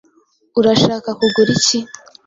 Urashaka kugura iki?